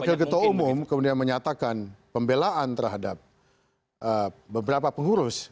bahwa saya sebagai wakil ketua umum kemudian menyatakan pembelaan terhadap beberapa pengurus